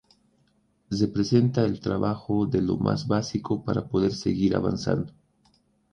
Representa el trabajo de lo más básico para poder seguir avanzando.